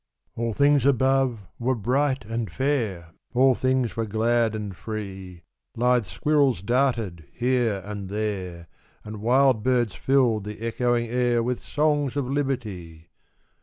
All things above were bright and fair, All things were glad and free; Lithe squirrels darted here and there, And wild birds filled the echoing air With songs of Liberty!